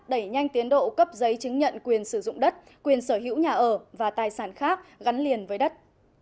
đẩy nhanh tiến độ cấp giấy chứng nhận quyền sử dụng đất quyền sở hữu nhà ở và tài sản khác gắn liền với đất